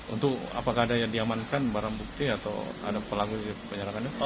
untuk apakah ada yang diamankan barang bukti atau ada pelaku penyerangannya